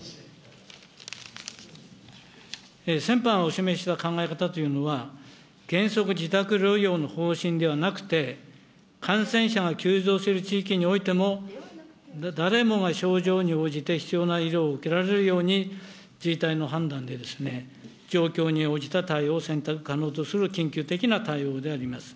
先般、お示しした考え方というのは、原則自宅療養の方針ではなくて、感染者が急増している地域においても、誰もが症状に応じて必要な医療を受けられるように、自治体の判断で状況に応じた対応を選択可能とする、緊急的な対応であります。